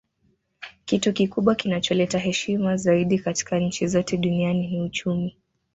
Kitu kikubwa kinacholeta heshima zaidi katika nchi zote duniani ni uchumi